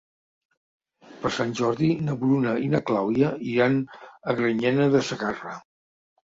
Per Sant Jordi na Bruna i na Clàudia iran a Granyena de Segarra.